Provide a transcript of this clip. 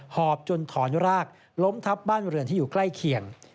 หอบจนถอนรากล้มทับบ้านเรือนที่อยู่ใกล้เคียง